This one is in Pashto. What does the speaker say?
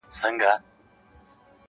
زوی د پلار په دې خبره ډېر خفه سو,